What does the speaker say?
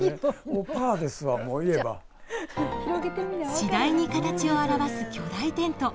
次第に形を表す巨大テント。